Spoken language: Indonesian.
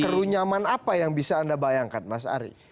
serunyaman apa yang bisa anda bayangkan mas ari